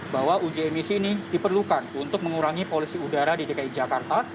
bahwa uji emisi ini diperlukan untuk mengurangi polusi udara di dki jakarta